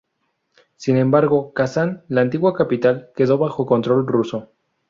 Sin embargo Kazán, la antigua capital, quedó bajo control ruso.